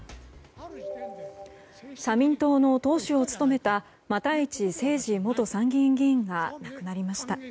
社民党の党首を務めた又市征治元参議院議員が亡くなりました。